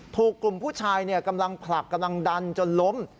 ถูกกลุ่มผู้ชายกำลังผลักกำลังดันจนล้ม